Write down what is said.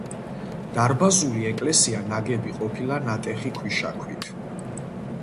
დარბაზული ეკლესია ნაგები ყოფილა ნატეხი ქვიშაქვით.